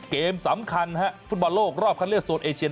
เกมสำคัญฟุตบอลโลกรอบคันเลือกโซนเอเชียน